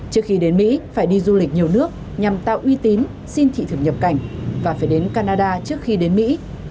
trước khi đến mỹ phải đi du lịch nhiều nước nhằm tạo uy tín xin thị thực nhập cảnh và phải đến canada trước khi đến mỹ